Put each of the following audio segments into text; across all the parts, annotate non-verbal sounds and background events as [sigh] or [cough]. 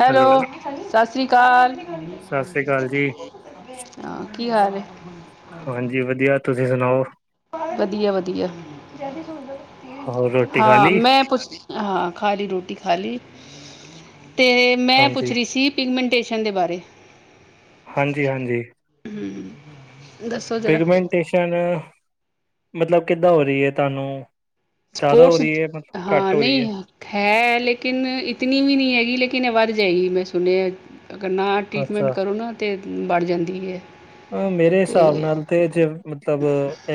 Hello. ਸਸ ਸ੍ਰੀ ਕਾਲ। ਸਤਿ ਸ੍ਰੀ ਅਕਾਲ ਜੀ ਹਾਂ, ਕੀ ਹਾਲ ਏ? ਹਾਂਜੀ ਵਧੀਆ। ਤੁਸੀ ਸਣਾਓ? ਵਧੀਆ-ਵਧੀਆ। ਹੋਰ ਰੋਟੀ ਖਾ ਹਾਂ ਲਈ ਮੈਂ ਪੁੱਛ ਹਾਂ ਖਾ ਲੀ ਰੋਟੀ ਖਾ ਲੀ ਤੇ ਮੈਂ ਹਾਂਜੀ ਪੁੱਛ ਰੀ ਸੀ ਪਿਗਮੈਂਟੇਸ਼ਨ ਦੇ ਬਾਰੇ। ਹਾਂਜੀ-ਹਾਂਜੀ। ਦੱਸੋ ਜ਼ਰਾ ਪਿਗਮੈਂਟੇਸ਼ਨ, ਮਤਲਬ ਕਿਦਾਂ ਹੋ ਰੀ ਐ ਤਾਨੂੰ? ਸਪੋਟਸ ਹਾਂ ਨਈ ਹ ਹੈ ਲੇਕਿਨ ਇਤਨੀ ਵੀ ਨੀ ਹੈਗੀ ਲੇਕਿਨ ਐ ਵੱਧ ਜਾਏਗੀ, ਮੈਂ ਸੁਣੇਐ। ਅਗਰ ਨਾ ਟੀਟਮੈਂਟ ਅੱਛਾ ਕਰੋ ਨਾ ਤੇ ਬੜ ਜਾਂਦੀ ਐ। ਅ ਮੇਰੇ ਸਾਬ ਨਾਲ ਤੇ ਜੇ ਮਤਲਬ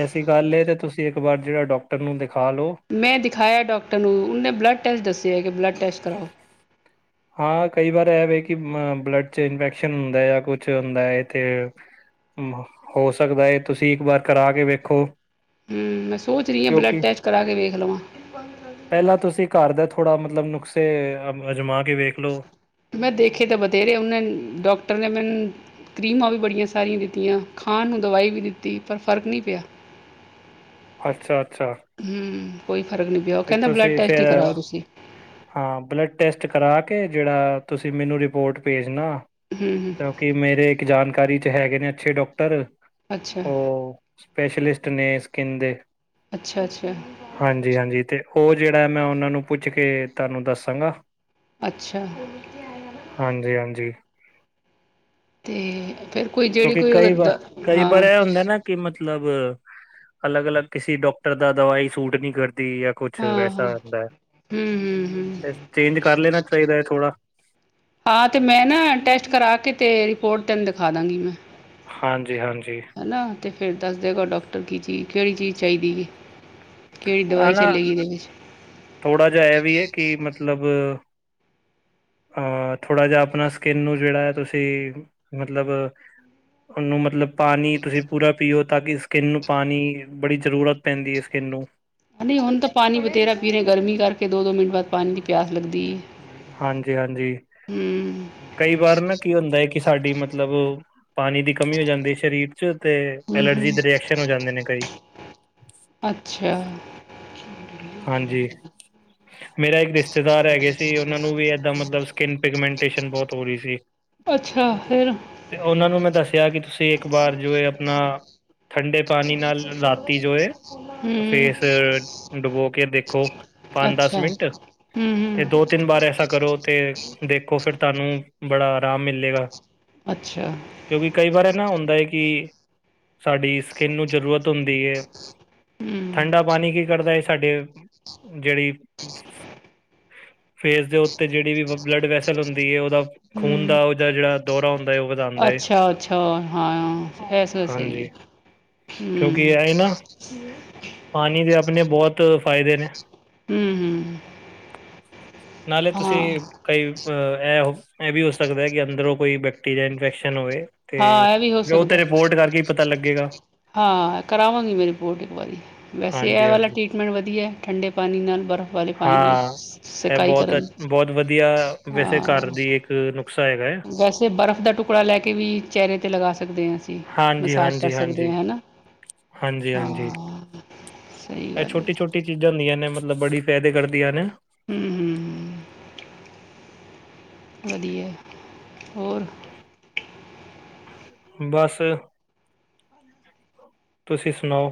ਐਸ ਦੀ ਗੱਲ ਏ ਤੇ ਤੁਸੀ ਏੱਕ ਵਾਰ ਜਿਆ ਡੋਕਟਰ ਨੂੰ ਦਿਖਾ ਲੋ ਮੈਂ ਦਿਖਾਇਐ ਡੋਕਟਰ ਨੂੰ ਉਨੇ ਬਲੱਡ ਟੈਸਟ ਦੱਸਿਐ ਕਿ ਬਲੱਡ ਟੈਸਟ ਕਰਾਓ। ਹਾਂ ਕਈ ਵਾਰ ਐ ਵੇ ਕਿ ਮ ਬਲੱਡ 'ਚ ਇਨਫੈਕਸ਼ਨ ਹੁੰਦੈ ਯਾਂ ਕੁਛ ਹੁੰਦੈ ਏੱਥੇ ਹੋ ਸਕਦਾ ਏ। ਤੁਸੀ ਇੱਕ ਵਾਰ ਕਰਾ ਕੇ ਵੇਖੋ। ਹੂੰ, ਮੈਂ ਸੋਚ ਰੀ ਆਂ ਬਲੱਡ ਟੈਸਟ ਕਰਾ ਕੇ ਵੇਖ ਲਵਾਂ। ਪੈਲਾਂ ਤੁਸੀ ਘਰ ਦਾ ਥੋੜਾ ਮਤਲਬ ਨੁੱਖਸੇ ਅ ਅਜਮਾ ਕੇ ਵੇਖ ਲੋ। ਮੈਂ ਦੇਖੇ ਤਾ ਬਥੇਰੇ ਓਨੇ ਡੋਕਟਰ ਨੇ ਮੇਨੰ ਕਰੀਮਾਂ ਵੀ ਬੜੀਐਂ ਸਾਰੀਐਂ ਦਿੱਤੀਐਂ। ਖਾਣ ਨੂੰ ਦਵਾਈ ਵੀ ਦਿਤੀ ਪਰ ਫ਼ਰਕ ਨੀ ਪਿਆ। ਅੱਛਾ-ਅੱਛਾ। ਹੂੰ, ਕੋਈ ਫਰਕ ਨੀ ਪਿਆ। ਓ ਤੇ ਕੈਂਦਾ ਬਲੱਡ ਤੁਸੀਂ ਟੈਸਟ ਈ ਫਿਰ ਕਰਾਓ ਤੁਸੀ। ਹਾਂ ਬਲੱਡ ਟੈਸਟ ਕਰਾ ਕੇ ਜੇੜਾ ਤੁਸੀ ਮੈਨੂੰ ਰਿਪੋਟ ਭੇਜਨਾ ਹੂੰ। ਕਿ ਮੇਰੇ ਇੱਕ ਜਾਣਕਾਰੀ 'ਚ ਹੈਗੇ ਨੇ ਅੱਛੇ ਡੋਕਟਰ, ਅੱਛਾ ਓ ਸਪੈਸ਼ਲਿਸਟ ਨੇ ਸਕਿੰਨ ਦੇ। ਅੱਛਾ-ਅੱਛਾ। ਹਾਂਜੀ-ਹਾਂਜੀ ਤੇ ਓ ਜੇੜਾ ਐ ਨਾ ਮੈਂ ਓਨਾਂ ਨੂੰ ਪੁੱਛ ਕੇ ਤਾਨੂੰ ਦੱਸਾਂਗਾ। ਅੱਛਾ। ਹਾਂਜੀ-ਹਾਂਜੀ। ਅਤੇ ਫਿਰ ਕੋਈ ਜਿਹੜੀ ਕਿਉਂਕਿ ਕੋਈ ਉਹ ਕਈ ਦ ਵਾਰ- ਕਈ ਹਾਂ ਵਾਰ ਏ ਹੁੰਦਾ ਨਾ। ਕਿ ਮਤਲਬ, ਅਲੱਗ -ਅਲੱਗ ਕਿਸੇ ਡਾਕਟਰ ਦਾ ਦਵਾਈ ਸੂਟ ਨਈ ਕਰਦੀ ਜਾਂ ਕੁਛ ਹਾਂ ਹਾਂ ਹੂੰ ਵੈਸਾ ਹੁੰਦਾ ਐ, ਹੂੰ ਹੂੰ ਤੇ ਚੇਂਜ ਕਰ ਲੈਣਾ ਚਾਹੀਦਾ ਹੈ ਥੋੜ੍ਹਾ ਹਾਂ, ਤੇ ਮੈਂ ਨਾ ਟੈਸਟ ਕਰਾ ਕੇ, ਤੇ ਰਿਪੋਰਟ ਤੈਨੂੰ ਦਿਖਾ ਦਾਂਗੀ ਮੈਂ ਹਾਂਜੀ -ਹਾਂਜੀ ਹੈ ਨਾ, ਤੇ ਫੇਿਰ ਦੱਸ ਦੇਗਾ ਡਾਕਟਰ ਕੀ ਚੀਜ਼- ਕਿਹੜੀ ਚੀਜ਼ ਚਾਹੀਦੀ ਜੀ, ਕੇਹੜੀ ਦਵਾਈ ਚਲੇ ਗਏ, ਥੋੜ੍ਹਾ ਜਿਹਾ ਐਹ ਵੀ ਹੈ, ਕਿ ਮਤਲਬ ਅਹ ਥੋੜ੍ਹਾ ਜਿਹਾ ਆਪਣਾ ਸਕਿੰਨ ਨੂੰ ਜੇਹੜਾ ਹੈ, ਤੁਸੀਂ ਮਤਲਬ ਉਹਨੂੰ ਮਤਲਬ ਪਾਣੀ ਤੁਸੀਂ ਪੂਰਾ ਪੀਓ, ਤਾਂ ਕਿ ਸਕਿੰਨ ਨੂੰ ਪਾਣੀ ਬੜੀ ਜ਼ਰੂਰਤ ਪੈਂਦੀ ਹੈ ਸਕਿੰਨ ਨੂੰ ਨਹੀਂ ਹੁਣ ਤਾਂ ਪਾਣੀ ਬਥੇਰਾ ਪੀਲੇ ਗਰਮੀ ਕਰਕੇ ਦੋ -ਦੋ ਮਿੰਟ ਬਾਅਦ ਪਾਣੀ ਦੀ ਪਿਆਸ ਲੱਗਦੀ ਏ, ਹਾਂਜੀ -ਹਾਂਜੀ ਕਈ ਵਾਰ ਨਾ ਕੀ ਹੁੰਦਾ ਏ, ਕਿ ਸਾਡੀ ਮਤਲਬ ਪਾਣੀ ਦੀ ਕਮੀ ਹੋ ਜਾਂਦੀ ਹੈ ਸਰੀਰ ਤੇ ਉੱਥੇ ਹੂੰ ਹੂੰ ਐਲਰਜੀ ਦੇ, ਰਿਐਕਸ਼ਨ ਹੋ ਜਾਂਦੇ ਨੇ ਕਈ ਅੱਛਾ ਹ ਹਾਂਜੀ, ਮੇਰਾ ਇੱਕ ਰਿਸ਼ਤੇਦਾਰ ਹੈਗੇ ਸੀ ਉਹ ਉਹਨਾਂ ਨੂੰ ਵੀ ਇਏਦਾਂ, ਮਤਲਬ ਸਕਿੰਨ ਪਿਗਮੈਂਟੇਸ਼ਨ ਬਹੁਤ ਹੋ ਰਹੀ ਸੀ। ਅੱਛਾ ਫਿਰ ਤੇ ਉਹਨਾਂ ਨੂੰ ਮੈਂ ਦੱਸਿਆ, ਕਿ ਤੁਸੀਂ ਇੱਕ ਵਾਰ ਜੋ ਆਪਣਾ ਠੰਡੇ ਪਾਣੀ ਨਾਲ ਰਾਤੀ ਜੋ-ਏ ਹੂੰ ਫੇਸ ਫਿਰ ਡੁਬੋ ਕੇ ਦੇਖੋ, ਪੰਜ, ਦਸ ਅੱਛਾ -ਮਿੰਟ ਹੂੰ ਤੇ ਹੂੰ ਦੋ ਤਿੰਨ ਵਾਰ ਐਸਾ ਕਰੋ ਤੇ ਦੇਖੋ ਫਿਰ, ਤੁਹਾਨੂੰ ਬੜਾ ਆਰਾਮ ਮਿਲੇਗਾ। ਅੱਛਾ ਕਿਉਂਕਿ, ਕਈ ਵਾਰ ਏਹ ਨਾ ਹੁੰਦਾ ਹੈ ਕਿ ਸਾਡੀ ਸਕਿੰਨ ਨੂੰ ਜ਼ਰੂਰਤ ਹੁੰਦੀ ਏ, ਹੂੰ ਠੰਡਾ ਪਾਣੀ ਕੀ ਕਰਦਾ ਸਾਡੇ ਜੇਹੜੀ ਫੇਸ ਦੇ ਉੱਤੇ ਜੇਹੜੀ ਵੀ ਬਲੱਡ ਵੈਸਲ ਹੁੰਦੀ ਏ, ਉਹਦਾ ਖੂਨ ਹੂੰ ਦਾ ਉਹ ਜਾਂ ਜੇਹੜਾ ਦੋਰਾ ਹੁੰਦਾ ਯੋਗ ਦਾ, ਅੱਛਾ -ਅੱਛਾ ਹਾਂ ਐਸ ਸਹੀ ਹਾਂਜੀ ਹੈ, ਕਿਉਂਕਿ ਹਮ ਇਹ ਨਾ ਹਮ ਪਾਣੀ ਦੇ ਆਪਣੇ ਬਹੁਤ ਫ਼ਾਇਦੇ ਨੇ, ਹਮ -ਹਮ ਨਾਲੇ ਤੁਸੀਂ ਹਾਂ ਕਈ ਅ, ਏ, ਔ, ਏ ਵੀ ਹੋ ਸਕਦਾ, ਕਿ ਅੰਦਰੋਂ ਕੋਈ ਬੈਕਟੀਰੀਆ ਇਨਫੈਕਸ਼ਨ ਹੋਵੇ ਤੇ ਹਾਂ ਇਹ ਵੀ ਹੋ ਉਹ ਤੇ ਸਕਦਾ ਰਿਪੋਰਟ ਕਰਕੇ ਈ ਪਤਾ ਲੱਗੇਗਾ। ਹਾਂ, ਕਰਾਵਾਂਗੀ ਮੈਂ ਰਿਪੋਰਟ ਇੱਕ ਵਾਰੀ ਵੈਸੇ ਹਾਂਜੀ ਐ ਵਾਲਾ ਹਾਂਜੀ ਨਈ ਵਧੀਆ ਠੰਡੇ ਪਾਣੀ ਨਾਲ ਬਰਫ਼ ਫਰਕ ਪਾਾਈਆਂ ਹਾਂ ਇਹ ਸਕਾਈ ਬਹੁਤ ਕਰਨ ਅੱਛ- ਬਹੁਤ ਵਧੀਆ ਵੈਸੇ ਹਾਂ ਘਰ ਦੀ ਇੱਕ ਨੁਕਸਾ ਹੈਗਾ, ਵੈਸੇ, ਬਰਫ਼ ਦਾ ਟੁਕੜਾ ਲੈ ਕੇ ਵੀ, ਚਿਹਰੇ ਤੇ ਲਗਾ ਸਕਦੇ ਹਾਂ। ਅਸੀਂ ਹਾਂਜੀ ਮਸਾਜ ਕਰ ਹਾਂਜੀ ਸਕਦੇ ਹਾਂਜੀ ਹਾਂ ਹਨਾ। ਹਾਂਜੀ- ਹਾਂਜੀ ਹਾਂ ਸਹੀ ਇਹ ਗੱਲ ਏ, ਛੋਟੀ ਛੋਟੀ ਚੀਜ਼ਾਂ ਹੁੰਦੀਆਂ ਨੇ, ਮਤਲਬ ਬੜੀ ਫਾਇਦੇ ਕਰਦੀਆਂ ਨੇ ਹਮ -ਹਮ, ਹਮ ਵਧੀਆ ਹੋਰ ਬਸ ਤੁਸੀਂ ਸੁਣਾਓ?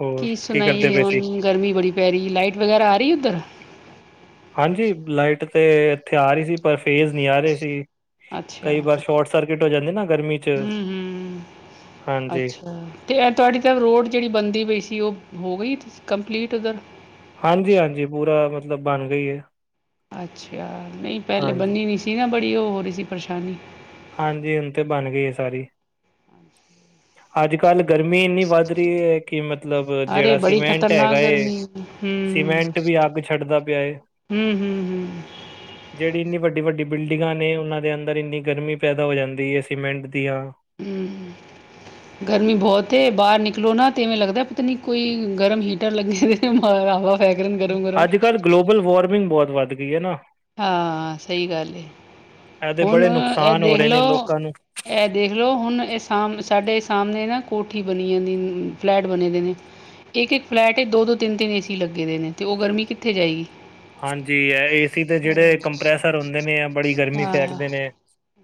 ਹੋਰ ਕੀ ਕਰਦੇ ਸੁਣਾਈ ਪਏ ਸੀ। ਹੁਣ ਗਰਮੀ ਬੜੀ ਪੈ ਰਹੀ, ਲਾਈਟ ਵਗੈਰਾ ਆ ਰਹੀ ਉੱਧਰ ਹਾਂਜੀ, ਲਾਈਟ ਤੇ ਇੱਥੇ ਆ ਰਹੀ ਸੀ। ਪਰ ਫੇਸ ਨਹੀਂ ਆ ਰਹੀ ਸੀ। ਅੱਛਾ ਕਈ ਵਾਰ, ਸ਼ੋਰਟ ਸਰਕਿਟ ਹੋ ਜਾਂਦੀ ਨਾ, ਗਰਮੀ ਚ ਹਮ ਹਮ ਹਾਂਜੀ ਅੱਛਾ ਤੇ ਐਂ ਤੁਹਾਡੀ ਤਾਂ ਰੋਡ ਜਿਹੜੀ ਬਣਦੀ ਪਈ ਸੀ, ਉਹ ਹੋ ਗਈ ਕੰਪਲੀਟ ਉੱਧਰ ਹਾਂਜੀ -ਹਾਂਜੀ ਪੂਰਾ, ਮਤਲਬ ਬਣ ਗਈ ਏ ਅੱਛਾ, ਨਹੀਂ ਪਹਿਲੇ ਬੰਨੀ ਨਹੀਂ ਸੀ, ਨਾ ਬੜੀ ਉਹ ਹੋ ਰਹੀ ਸੀ ਪਰੇਸ਼ਾਨੀ ਹਾਂਜੀ, ਹੁਣ ਤੇ ਬਣ ਗਈ ਏ ਸਾਰੀ ਅੱਜ -ਕੱਲ੍ਹ ਗਰਮੀ ਇੰਨੀ ਵੱਧ ਰਹੀ ਹੈ ਕਿ, ਮਤਲਬ ਅਰੇ ਜਿਹੜਾ ਬੜੀ ਸੀਮੈਂਟ ਖ਼ਤਰਨਾਕ ਹੈਗਾ ਏ ਗਰਮੀ ਹਮ ਸੀਮੈਂਟ ਵੀ, ਅੱਗ ਛੱਡਦਾ ਪਿਆ ਏ ਹਮ ਹਮ ਹਮ ਜਿਹੜੀ ਇੰਨੀ ਵੱਡੀ, - ਵੱਡੀ ਬਿਲਡਿੰਗਾਂ ਨੇ, ਉਹਨਾਂ ਦੇ ਅੰਦਰ ਇੰਨੀ ਗਰਮੀ ਪੈਦਾ ਹੋ ਜਾਂਦੀ, ਹੈ ਸੀਮੈਂਟ ਦੀਆਂ ਹਮ [inaudible] [unintelligible] ਗਰਮੀ ਬਹੁਤ ਏ, ਬਾਹਰ ਨਿਕਲੋ ਨਾ ਤੇਵੇਂ ਲੱਗਦਾ ਪਤਾ ਨਹੀ ਕੋਈ ਗਰਮ ਹੀਟਰ, ਲੱਗੇ ਹਵਾ ਗਰਮ ਅੱਜ -ਕੱਲ੍ਹ ਗਲੋਬਲ ਵਾਰਮਿੰਗ ਬਹੁਤ, ਵੱਧ ਗਈ ਹੈ ਨਾ ਹਾਂ, ਸਹੀ ਗੱਲ, ਏ ਇਹਦੇ ਹੁਣ ਬੜੇ ਇਹ ਨੁਕਸਾਨ ਹੋ ਦੇਖ ਰਹੇ ਨੇ ਲਓ ਲੋਕਾਂ ਨੂੰ। ਇਹ ਦੇਖ ਲਓ ਹੁਣ ਇਹ ਸਾਡੇ ਸਾਮਣੇ ਨਾ ਕੋਠੀ ਬਣੀ ਜਾਂਦੀ, ਫਲੈਟ ਬਣੇ ਦੇ ਨੇ ਇੱਕ -ਇੱਕ ਫਲੈਟ ਚ ਦੋ- ਦੋ ਤਿੰਨ- ਤਿੰਨ ਏ ਸੀ ਲੱਗੇ ਹੋਏ ਨੇ, ਤੇ ਉਹ ਗਰਮੀ ਕਿੱਥੇ ਜਾਏਗੀ ਹਾਂਜੀ, ਹੈ ਏਸੀ ਦੇ ਜਿਹੜੇ ਕੰਪ੍ਰੈਸਰ ਹੁੰਦੇ ਨੇ, ਆ ਬੜੀ ਗਰਮੀ ਹਾਂ ਫੇਕਦੇ ਨੇ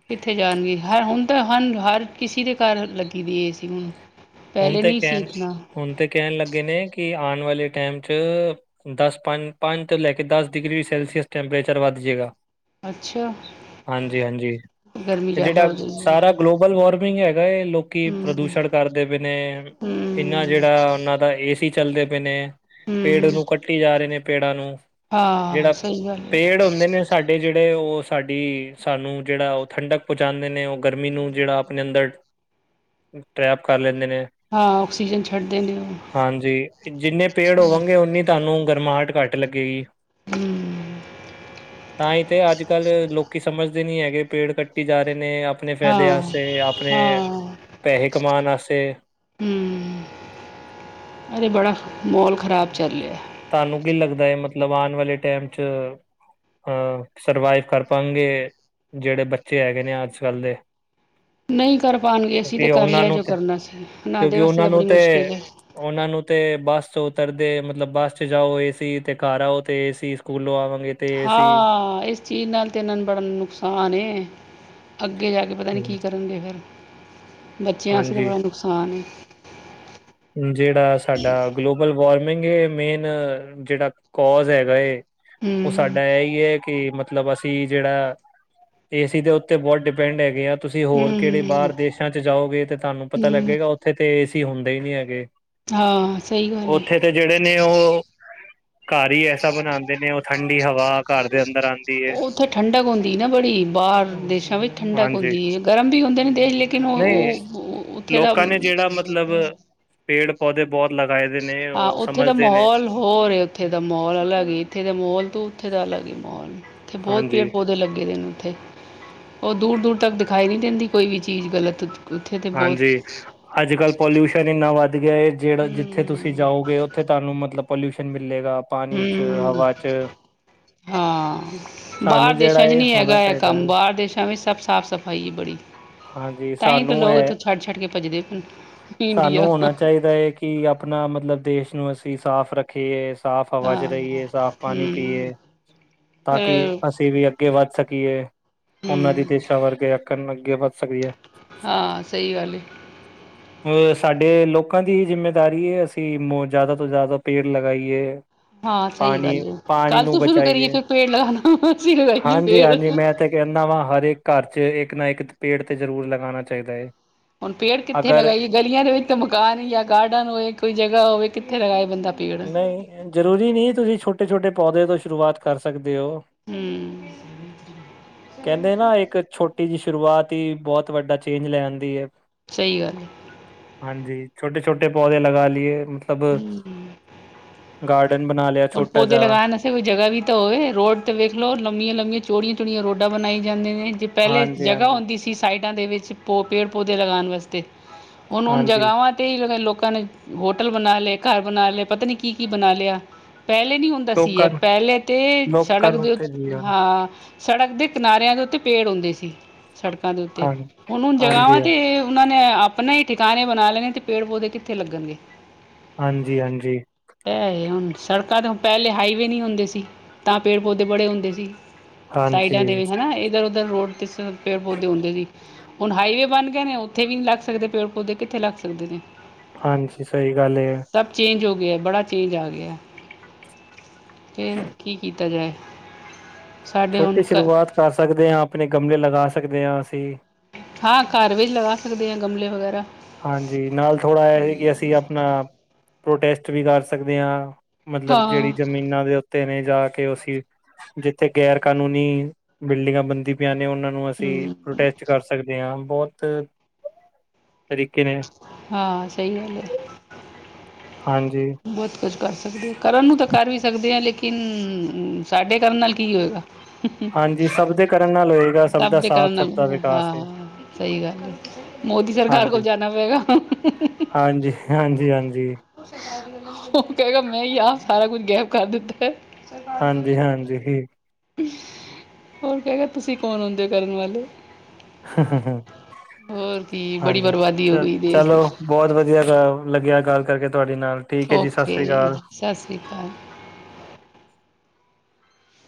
ਕਿੱਥੇ ਜਾਣਗੇ, ਹ ਹੁਣ ਤਾਂ ਹ ਹਰ ਕਿਸੇ ਦੇ ਘਰ, ਲੱਗੀ ਦੀ ਏ ਸੀ ਹੁਣ ਹੁਣ ਪਹਿਲੇ ਤੇ ਨਹੀਂ ਸੀ ਕਹਿਣ ਇਤਨਾ ਹੁਣ ਤੇ, ਕਹਿਣ ਲੱਗੇ ਨੇ ਕਿ, ਆਉਣ ਵਾਲੇ ਟਾਈਮ ਚ ਦਸ ਪੰਜ, ਪੰਜ ਤੋਂ ਲੈ ਕੇ ਦਸ ਡਿਗਰੀ, ਸੈਲਸੀਅਸ ਟੈਂਪਰੇਚਰ ਵੱਧ ਜਾਏਗਾ ਅੱਛਾ ਹਾਂਜੀ- ਹਾਂਜੀ ਗਰਮੀ ਤੇ ਜ਼ਿਆਦਾ ਜਿਹੜਾ ਹੋ ਜਾਏਗੀ ਸਾਰਾ ਗਲੋਬਲ ਵਾਰਮਿੰਗ ਹੈਗਾ, ਲੋਕੀ ਹੂੰ। ਪ੍ਰਦੂਸ਼ਣ ਕਰ ਜਿਵੇਂ ਨੇ, ਇਹਨਾ ਹਮ ਜਿਹੜਾ ਉਹਨਾਂ ਦਾ ਏ ਸੀ, ਚੱਲਦੇ ਪਏ ਨੇ ਹਮ ਪੇੜ ਨੂੰ, ਕੱਟੀ ਜਾ ਰਹੇ ਨੇ ਪੇੜਾਂ ਨੂੰ ਆ ਜਿਹੜਾ ਸਹੀ ਗੱਲ ਹੈ। ਪੇੜ ਹੁੰਦੇ ਸਾਡੇ ਜਿਹੜੇ ਉਹ, ਸਾਡੀ ਸਾਨੂੰ ਜਿਹੜਾ ਉਹ ਠੰਡਕ, ਪਹੁੰਚਾਉਂਦੇ ਨੇ ਉਹ ਗਰਮੀ ਨੂੰ ਜਿਹੜਾ, ਆਪਣੇ ਅੰਦਰ ਟਰੈਪ ਕਰ ਲੈਂਦੇ ਨੇ ਹਾਂ, ਆਕਸੀਜਨ ਛੱਡਦੇ ਨੇ, ਹਾਂਜੀ, ਜਿੰਨੇ ਪੇੜ ਹੋਣਗੇ, ਓਨੀ ਤੁਹਾਨੂੰ ਗਰਮਹਟ ਘੱਟ ਲੱਗੇਗੀ ਹਮ ਤਾਂ ਹੀ ਤੇ, ਅੱਜ- ਕੱਲ੍ਹ ਲੋਕੀ ਸਮਝਦੇ ਨਹੀਂ ਹੈਗੇ, ਪੇੜ ਕੱਟੀ ਜਾ ਰਹੇ ਨੇ ਆਪਣੇ ਫਾਇਦੇ ਹਾਂ ਵਾਸਤੇ, ਆਪਣੇ ਪੈਸੇ ਕਮਾਉਣ ਵਾਸਤੇ ਹੂ, ਅਰੇ ਬੜਾ ਮਾਹੋਲ ਖਰਾਬ ਚੱਲ ਰਿਹਾ ਤੁਹਾਨੂੰ ਕੀ ਲੱਗਦਾ ਏ, ਮਤਲਬ ਆਉਣ ਵਾਲੇ ਟਾਈਮ ਚ ਅ ਸਰਵਾਈਵ ਕਰ ਪਾਣਗੇ, ਜਿਹੜੇ ਬੱਚੇ ਹੈਗੇ ਨੇ, ਅੱਜ ਕੱਲ੍ਹ ਦੇ ਨਹੀਂ ਕਰ ਪਾਉਣਗੇ, ਅਸੀਂ ਤੇ ਕਿਉਂਕਿ ਕਰ ਉਹਨਾਂ ਲਿਆ ਜੋ ਨੂੰ ਤੇ ਕਰਨਾ ਸੀ। ਇਨ੍ਹਾਂ ਦੇ ਕਿਉਂਕਿ ਵਾਸਤੇ ਉਹਨਾਂ ਤਾਂ, ਬੜੀ ਨੂੰ ਤੇ ਮੁਸ਼ਕਿਲ ਏ ਉਹਨਾਂ ਨੂੰ ਤੇ, ਬਸ ਚ ਉਤਰ ਦੇ, ਮਤਲਬ ਬੱਸ ਚ ਜਾ, ਏਸੀ, ਤੇ ਘਰ ਆਓ ਤੇ ਏਸੀ, ਸਕੂਲੋਂ ਆਵਾਂਗੇ ਤੇ ਏਸੀ ਹਾਂ, ਇਸ ਚੀਜ਼ ਨਾਲ ਤੇ, ਇਹਨਾਂ ਨੂੰ ਬੜਾ ਨੁਕਸਾਨ ਏ ਅੱਗੇ ਜਾ ਕੇ, ਪਤਾ ਨਹੀ ਕੀ ਕਰਨਗੇ ਫਿਰ, ਬੱਚਿਆਂ ਵਾਸਤੇ ਤਾਂ ਹਾਂਜੀ। ਬੜਾ ਨੁਕਸਾਨ ਜਿਹੜਾ ਸਾਡਾ ਗਲੋਬਲ ਵਾਰਮਿੰਗ, ਮੇਨ ਜਿਹੜਾ ਕੋਜ ਹੈਗਾ ਏ ਓ ਹਮ ਸਾਡਾ ਇਹੀ ਏ ਕਿ ਮਤਲਬ ਮਤਲਬ ਅਸੀਂ ਜੇੜਾ ਏਸੀ ਦੇ ਉੱਤੇ ਬੋਤ ਡਿਪੈਂਡ ਹੈਗੇ ਆਂ। ਤੁਸੀਂ ਹੋਰ ਕੇੜੇ ਹਮ ਬਾਰ ਦੇਸ਼ਾਂ 'ਚ ਜਾਓਗੇ ਤੇ ਤੁਹਾਨੂੰ ਪਤਾ ਹਮ ਲੱਗੇਗਾ ਉੱਥੇ ਤੇ ਏ ਸੀ ਹੁੰਦੇ ਈ ਨਈ ਹੈਗੇ। ਹਾਂ ਸਈ ਗੱਲ ਏ। ਉੱਥੇ ਤੇ ਜੇੜੇ ਨੇ ਓ ਘਰ ਹੀ ਐਸਾ ਬਣਾਂਦੇ ਨੇ ਓ ਠੰਡੀ ਹਵਾ ਘਰ ਦੇ ਅੰਦਰ ਆਂਦੀ ਏ। ਉੱਥੇ ਠੰਡਕ ਹੁੰਦੀ ਨਾ ਬੜੀ ਬਾਹਰ ਦੇਸ਼ਾਂ ਵਿੱਚ ਠੰਡਕ ਹੁੰਦੀ ਗਰਮ ਵੀ ਹੁੰਦੇ ਨੇ ਦੇਸ਼ ਲੇਕਿਨ ਨਹੀਂ ਓ-ਓ ਉੱਥੇ ਦਾ ਲੋਕਾਂ ਨੇ ਜਿਹੜਾ ਮਤਲਬ ਪੇੜ ਪੌਦੇ ਬੋਤ ਲਗਾਏ ਦੇ ਨੇ ਹਾਂ ਓ ਉੱਥੇ ਦਾ ਸਮਝਦੇ ਨੇ। ਮਾਹੌਲ ਹੋਰ ਉੱਥੇ ਦਾ ਮੋਲ ਅਲੱਗ ਇੱਥੇ ਦਾ ਮੋਲ ਤੂੰ ਉੱਥੇ ਦਾ ਅਲੱਗ ਈ ਮੋਲ ਉਥੇ ਬੋਤ ਪੇੜ ਹਾਂਜੀ ਪੌਦੇ ਲੱਗੇ ਦੇ ਨੇ ਉੱਥੇ ਓ ਦੂਰ-ਦੂਰ ਤੱਕ ਦਿਖਾਈ ਨੀ ਦਿੰਦੀ ਕੋਈ ਵੀ ਚੀਜ਼ ਗਲਤ ਉੱਥੇ ਤਾਂ ਬਹੁਤ ਹਾਂਜੀ ਅੱਜ ਕੱਲ੍ਹ ਪੋਲਿਊਸ਼ਨ ਇੰਨਾ ਵੱਧ ਗਿਆ ਏ ਜੇੜਾ ਜਿੱਥੇ ਤੁਸੀਂ ਤੁਸੀਂ ਹੂੰ ਜਾਓਗੇ ਓਥੇ ਤੁਹਾਨੂੰ ਮਤਲਬ ਪੋਲਿਊਸ਼ਨ ਮਿਲੇਗਾ ਪਾਣੀ ਚ, ਹੂੰ ਹਵਾ 'ਚ ਹਾਂ ਸਾਨੂੰ ਬਾਰ ਜਿਹੜਾ ਦੇਸਾਂ 'ਚ ਇਹ ਨੀ ਹੋਣਾ ਹੈਗਾ ਏ ਚਾਹੀਦਾ ਕੰਮ ਹੈ ਬਾਰ ਦੇਸਾਂ ਵਿੱਚ ਸਭ ਸਾਫ਼ ਸਫ਼ਾਈ ਐ ਬੜੀ ਹਾਂਜੀ ਸਾ ਤੇ ਲੋਕ ਇੱਥੋਂ ਛੱਡ-ਛੱਡ ਕੇ ਭੱਜਦੇ ਪਏ। ਨੇ ਸਾਨੂੰ ਇੰਡੀਆ ਹੋਣਾ ਚਾਈਦੈ ਏ ਕਿ ਆਪਣਾ ਮਤਲਬ ਦੇਸ਼ ਨੂੰ ਅਸੀਂ ਸਾਫ਼ ਰੱਖ ਖੀਏ ਸਾਫ਼ ਹਵਾ 'ਚ ਹਾਂ ਰਹੀਏ ਸਾਫ਼ ਪਾਣੀ ਹਮ ਪੀਏ ਤਾਂ ਕੀ ਪਰ ਅਸੀਂ ਵੀ ਅੱਗੇ ਵੱਧ ਸਕੀਏ ਓਨਾਂ ਦੀ ਹਮ ਦੇਸ਼ਾ ਵਰਗੇ ਅਕਣ ਅੱਗੇ ਵੱਧ ਸਕੀਏ। ਹਾਂ ਸਈ ਗੱਲ ਏ। ਅ ਸਾਡੇ ਲੋਕਾਂ ਦੀ ਹੀ ਜਿੰਮੇਦਾਰੀ ਏ ਅਸੀਂ ਜਾਦਾ ਤੋਂ ਜਾਦਾ ਪੇੜ ਲਗਾਈਏ। ਹਾਂ ਸਈ ਗੱਲ ਪਾਣੀ ਆ ਪਾਣੀ ਕੱਲ ਨੂੰ ਤੋਂ ਸ਼ੁਰੂ ਕਰੀਏ ਬਚਾਈਏ ਫਿਰ ਪੇੜ ਲਾਗਾਣਾ ਅਸੀਂ ਲਗਾਈਏ ਪੇੜ ਕੈਨਾ ਵਾ ਹਰ ਇੱਕ ਘਰ 'ਚ ਇੱਕ ਨਾ ਇੱਕ ਪੇੜ ਤੇ ਜ਼ਰੂਰ ਲਗਾਣਾ ਚਾਈਦਾ ਏ। ਹੁਣ ਪੇੜ ਕਿੱਥੇ ਲਗਾਈਏ ਗਲੀਆਂ ਦੇ ਵਿੱਚ ਮਕਾਨ ਹੀ ਯਾਂ ਗਾਰਡਨ ਹੋਏ ਕੋਈ ਜਗ੍ਹਾ ਹੋਵੇ ਕਿੱਥੇ ਲਗਾਏ ਬੰਦਾ ਪੇੜ ਨਈ ਜ਼ਰੂਰੀ ਨੀ ਤੁਸੀਂ ਛੋਟੇ-ਛੋਟੇ ਪੌਦੇ ਤੋਂ ਸ਼ੁਰੂਆਤ ਕਰ ਸਕਦੇ ਓ। ਹਮ ਕੈਂਦੇ ਨਾ ਇੱਕ ਛੋਟੀ ਜੀ ਸ਼ੁਰੂਆਤ ਈ ਬੋਤ ਵੱਡਾ ਚੇਂਜ ਲੈ ਆਂਦੀ ਐ। ਸਈ ਗੱਲ ਏ। ਹਾਂਜੀ ਛੋਟੇ-ਛੋਟੇ ਪੌਦੇ ਲਗਾ ਲੀਏ ਮਤਲਬ ਹਮ ਗਾਰਡਨ ਬਣਾ ਲਿਆ। ਹੁਣ ਛੋਟਾ ਪੌਦੇ ਜਿਹਾ ਲਗਾਨ ਇੱਥੇ ਕੋਈ ਜਗ੍ਹਾ ਵੀ ਤਾਂ ਹੋਏ ਰੋਡ ਤੇ ਵੇਖ ਲੋ ਲੰਮੀਆਂ-ਲੰਮੀਆਂ ਚੋੜੀਆਂ-ਚੋੜੀਆਂ ਰੋਡਾਂ ਬਣਾਈ ਜਾਂਦੇ ਨੇ ਜੇ ਪੈਲੇ ਹਾਂਜੀ ਜਗ੍ਹਾ ਹਾਂਜੀ ਹੁੰਦੀ ਸੀ ਸਾਈਡਾਂ ਦੇ ਵਿੱਚ ਪੋ ਪੇੜ ਪੌਦੇ ਲਗਾਣ ਵਸਤੇ ਹੁਣ ਉਨ ਹਾਂਜੀ ਜਗ੍ਹਾਵਾਂ ਤੇ ਈ ਲੋਕਾਂ ਨੇ ਹੋਟਲ ਬਣਾ ਲਏ ਘਰ ਬਣਾ ਲਏ ਪਤਾ ਨਈ ਕੀ-ਕੀ ਬਣਾ ਲਿਆ। ਪੈਲੇ ਨੀ ਹੁੰਦਾ ਸੀ ਏ ਲੋਕਾਂ ਨੂੰ ਪੈਲੇ ਤੇ ਲੋਕਾਂ ਸੜਕ ਨੂੰ ਦੇ ਉ ਤੇ ਜੀ ਹਾਂ। ਸੜਕ ਦੇ ਕਿਨਾਰਿਆਂ ਦੇ ਉੱਤੇ ਪੇੜ ਹੁੰਦੇ ਸੀ। ਸੜਕਾਂ ਦੇ ਉੱਤੇ ਹਾਂ ਹੁਣ ਉਨ ਜਗ੍ਹਾਵਾਂ ਹਾਂਜੀ ਹਾਂਜੀ ਤੇ ਉਨਾਂ ਨੇ ਆਪਣਾ ਈ ਟਿਕਾਣੇ ਬਣਾ ਲੇ ਨੇ ਤੇ ਪੇੜ ਪੌਦੇ ਕਿੱਥੇ ਲੱਗਣਗੇ। ਹਾਂਜੀ-ਹਾਂਜੀ ਐ ਹੁਣ ਸੜਕਾਂ ਤੇ ਪੈਲੇ ਹਾਈਵੇ ਨੀ ਹੁੰਦੇ ਸੀ ਤਾਂ ਪੇੜ ਪੌਦੇ ਬੜੇ ਹੁੰਦੇ ਸੀ। ਸਾਈਡਾਂ ਹਾਂਜੀ ਦੇ ਵੀ ਹਨਾ ਇੱਧਰ ਉਧਰ ਰੋਡ ਤੇ ਸਿਰਫ਼ ਪੇੜ ਪੌਦੇ ਹੁੰਦੇ ਸੀ। ਹੁਣ ਹਾਈਵੇ ਬਣ ਗਏ ਨੇ ਓਥੇ ਵੀ ਨੀ ਲੱਗ ਸਕਦੇ ਪੇੜ ਪੌਦੇ ਕਿੱਥੇ ਲੱਗ ਸਕਦੇ ਨੇ। ਹਾਂਜੀ ਸਈ ਗੱਲ ਏ। ਸਭ ਚੇਂਜ ਹੋ ਗਿਐ ਬੜਾ ਚੇਂਜ ਆ ਗਿਐ। ਫੇਰ ਕੀ ਕੀਤਾ ਜਾਏ? ਸਾਡੇ ਹੁਣ ਛੋਟੀ ਘ ਸ਼ੁਰੂਆਤ ਕਰ ਸਕਦੇ ਆ ਅਪਣੇ ਗਮਲੇ ਲਗਾ ਸਕਦੇ ਆ ਅਸੀਂ। ਹਾਂ ਕਾਰ ਵੀ ਲਗਾ ਸਕਦੇ ਆ ਗਮਲੇ ਵਗੈਰਾ। ਹਾਂਜੀ ਨਾਲ ਥੋੜ੍ਹਾ ਐ ਕਿ ਅਸੀਂ ਆਪਣਾ ਪ੍ਰੋਟੈਸਟ ਵੀ ਕਰ ਸਕਦੇ ਆ। ਮਤਲਬ ਹਾਂ ਜੇੜੀ ਜ਼ਮੀਨਾਂ ਦੇ ਉੱ ਤੇ ਨੇ ਜਾ ਕੇ ਅਸੀਂ ਜਿੱਥੇ ਗੈਰ ਕਾਨੂੰਨੀ ਬਿਲਡਿੰਗਾਂ ਬਣਦੀ ਪਿਆ ਨੇ ਓਨਾਂ ਨੂੰ ਅਸੀਂ ਹੂੰ ਪ੍ਰੋਟੈਸਟ ਕਰ ਸਕਦੇ ਆ ਬੋਤ ਤਰੀਕੇ ਨੇ। ਹਾਂ ਸਈ ਗੱਲ ਏ। ਹਾਂਜੀ। ਬੋਤ ਕੁਛ ਕਰ ਸਕਦੇ ਕਰਨ ਨੂੰ ਤਾਂ ਕਰ ਵੀ ਸਕਦੇ ਆ ਲੇਕਿਨ ਸਾਡੇ ਕਰਨ ਨਾਲ ਕੀ ਹੋਏਗਾ ਹਾਂਜੀ ਸਭ ਦੇ ਕਰਨ ਨਾਲ ਹੋਏਗਾ ਸਭ ਦਾ ਦੇ ਸਾਥ ਕਰਨ ਸਭ ਨਾਲ ਦਾ ਵਿਕਾਸ ਹਾਂ ਹੈ ਸਈ ਗੱਲ ਏ ਮੋਦੀ ਸਰਕਾਰ ਕੋਲ ਜਾਣਾ ਪਏਗਾ। ਹਾਂਜੀ-ਹਾਂਜੀ-ਹਾਂਜੀ। ਓ ਕਏਗਾ ਮੈਂ ਈ ਆ ਸਾਰਾ ਕੁੱਛ ਗੈਬ ਕਰ ਦਿੱਤਾ। ਹਾਂਜੀ-ਹਾਂਜੀ। ਹੋਰ ਕਹੇਗਾ ਤੁਸੀਂ ਕੌਣ ਹੁੰਦੇ ਓ ਕਰਨ ਵਾਲੇ। ਹਾਂਜੀ ਹੋਰ ਕੀ ਬੜੀ ਬਰਬਾਦੀ ਹੋ ਗਈ ਦੇਸ਼ ਦੀ। ਬੋਤ ਵਧੀਆ ਲੱਗਿਆ ਗੱਲ ਕਰਕੇ ਤੁਆਡੇ ਨਾਲ। ਠੀਕ ਹੈ ਜੀ ਸਤਿ ਓਕੇ ਸ੍ਰੀ ਅਕਾਲ ਸਾਸ ਸ਼੍ਰੀ ਕਾਲ।